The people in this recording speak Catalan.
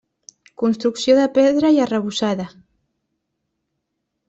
Construcció de pedra i arrebossada.